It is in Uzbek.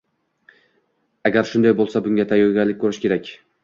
Agar shunday bo'lsa, bunga tayyorgarlik ko'rish kerak